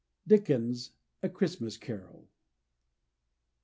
Dickens: "A Christmas Carol."